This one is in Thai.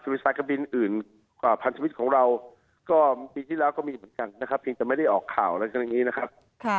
สายการบินอื่นกว่าพันชีวิตของเราก็ปีที่แล้วก็มีเหมือนกันนะครับเพียงแต่ไม่ได้ออกข่าวอะไรกันอย่างนี้นะครับ